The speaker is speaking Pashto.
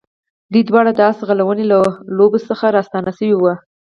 دوی دواړه د آس ځغلونې له لوبو څخه راستانه شوي وو.